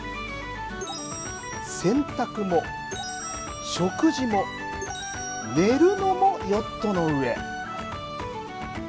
洗濯も食事も寝るのもヨットの上。